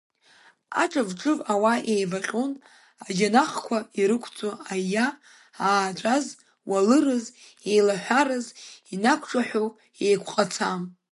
Аҿыв-ҿыв ауаа еивыҟьон аџьанахқәа ирықәҵо аиа, ааҵәаз, уалырыз, еилаҳәараз, инақәҿаҳәо еикәҟаца.